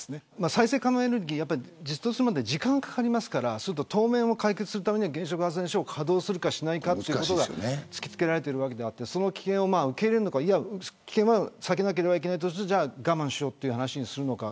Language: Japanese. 再生可能エネルギーは実装するまで時間がかかりますから当面を解決するためには原子力発電所を稼働するか稼働しないかということが突き付けられてるわけであってその危険を受け入れるのか危険は避けなければいけないとしたら我慢しようという話にするのか。